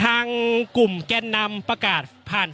อย่างที่บอกไปว่าเรายังยึดในเรื่องของข้อ